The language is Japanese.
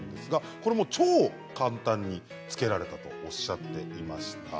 これも超簡単に付けられたとおっしゃっていました。